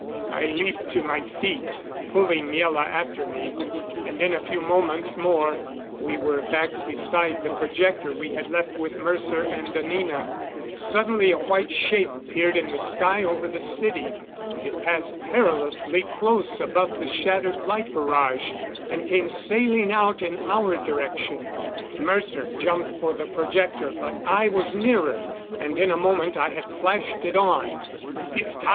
I leaped to my feet, pulling Miela after me, and in a few moments more we were back beside the projector we had left with Mercer and Anina. Suddenly a white shape appeared in the sky over the city. It passed perilously close above the shattered light barrage and came sailing out in our direction. Mercer jumped for the projector, but I was nearer, and in a moment I had flashed it on. "It's Tao!"